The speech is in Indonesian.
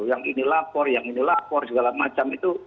yang ini lapor yang ini lapor segala macam itu